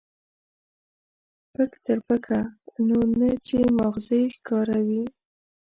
پک تر پکه، نو نه چې ما غزه يې ښکاره وي.